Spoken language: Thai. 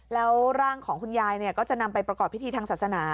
แล้วร่างของคุณยายก็จะนำไปประกอบพิธีทางศาสนา